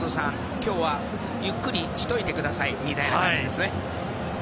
今日はゆっくりしといてくださいみたいな感じですね。